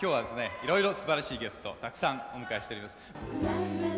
いろいろすばらしいゲストたくさんお迎えしております。